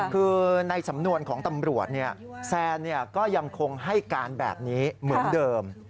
คือในสำนวนของตำรวจแซนก็ยังคงให้การแบบนี้เหมือนเดิม